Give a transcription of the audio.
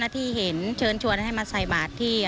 มันย้ายไม่ได้